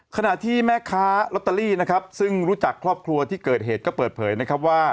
ขณะที่แม่ค้ารอตเตอรีซึ่งรู้จักครอบครัวที่เกิดเหตุเผยนะครับ